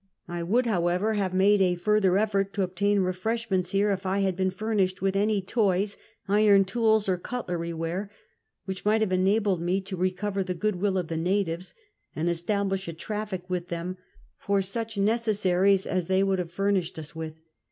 J would, however, have made a further effort to obtain refreshments here if I had been furnished with any Inys, iron tools, or cutlery ware, which might have enabled me to recover the goodwill of the natives, and establish a traiiic with them for such necessaries as they would have furnished us with.